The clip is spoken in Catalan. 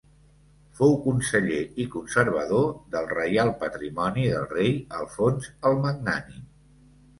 Fou conseller i conservador del Reial Patrimoni del rei Alfons el Magnànim.